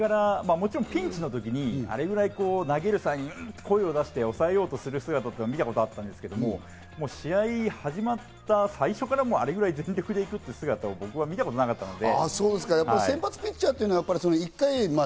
もちろんピンチの時にあれぐらい投げる際に声を出して抑えようとするのは見たことがあったんですけど、試合が始まった最初からあれぐらいの姿というのを見たことがなかったので。